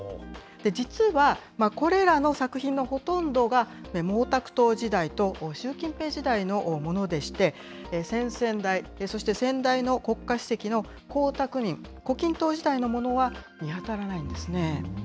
実は、これらの作品のほとんどが、毛沢東時代と習近平時代のものでして、先々代、そして先代の国家主席の江沢民、胡錦涛時代のものは見当たらないんですね。